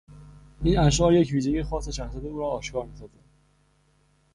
این اشعار یک ویژگی خاص شخصیت او را آشکار میسازد.